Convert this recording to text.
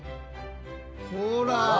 ほら。